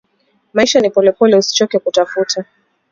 Maisha ni polepole usichoke kutafuta